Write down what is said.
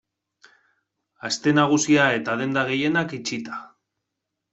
Aste Nagusia eta denda gehienak itxita.